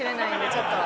僕ちょっと。